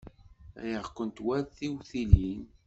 Riɣ-kent war tiwtilin.